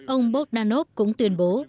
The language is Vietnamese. ông bogdanov cũng tuyên bố